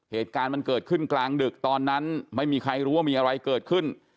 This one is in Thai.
เหตุการณ์มันเกิดขึ้นกลางดึกตอนนั้นไม่มีใครรู้ว่ามีอะไรเกิดขึ้น